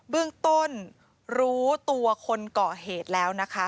เบื้องต้นรู้ตัวคนเกาะเหตุแล้วนะคะ